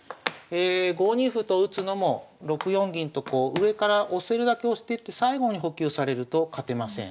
５二歩と打つのも６四銀とこう上から押せるだけ押してって最後に補給されると勝てません。